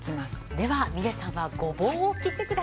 ではみれさんはゴボウを切ってください。